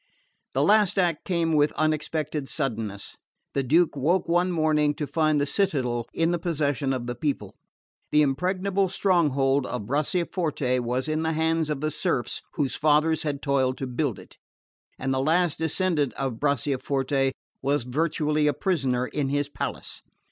The last act came with unexpected suddenness. The Duke woke one morning to find the citadel in the possession of the people. The impregnable stronghold of Bracciaforte was in the hands of the serfs whose fathers had toiled to build it, and the last descendant of Bracciaforte was virtually a prisoner in his palace.